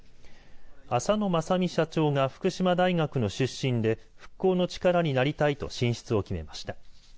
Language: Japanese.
浅野雅己社長が福島大学の出身で復興の力になりたいと進出を決めました。